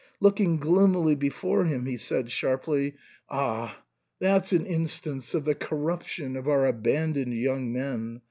Looking gloomily before him, he said sharply, " Ah ! that's an instance of the corruption of our abandoned young men.